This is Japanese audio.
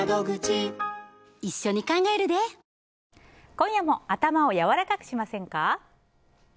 今夜も頭をやわらかくしませんか？